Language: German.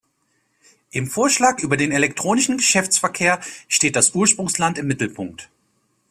Im Vorschlag über den elektronischen Geschäftsverkehr steht das Ursprungsland im Mittelpunkt.